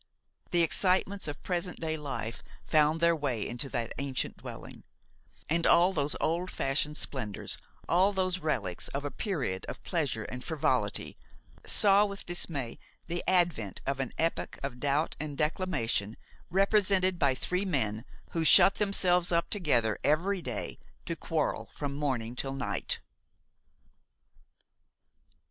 The excitements of present day life found their way into that ancient dwelling, and all those old fashioned splendors, all those relics of a period of pleasure and frivolity saw with dismay the advent of an epoch of doubt and declamation, represented by three men who shut themselves up together every day to quarrel from morning till night.